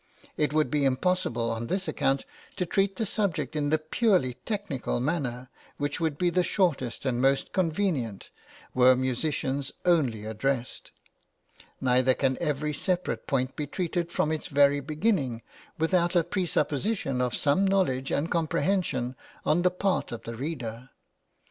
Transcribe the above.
It would be impossible, on this account, to treat the subject in the purely technical manner which would be the shortest and most convenient were musicians only addressed; neither can every separate point be treated from its very beginning, without a presupposition of some knowledge and comprehension on the part of the reader.